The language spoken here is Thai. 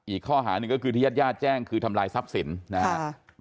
อีกข้อหาหนึ่งก็คือที่ญาติญาติแจ้งคือทำลายทรัพย์สินนะครับ